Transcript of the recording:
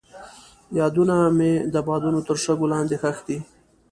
یادونه مې د بادونو تر شګو لاندې ښخې دي.